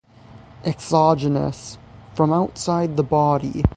Exogenous: from outside the body.